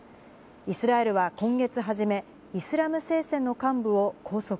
イスラエルは今月初め、イスラム聖戦の幹部を拘束。